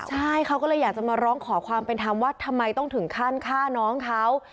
ใช่เขาก็เลยอยากจะมาร้องขอความเป็นธรรมว่าทำไมต้องถึงขั้นฆ่าน้องเขา